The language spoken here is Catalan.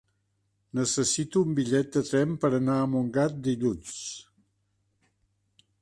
Necessito un bitllet de tren per anar a Montgat dilluns.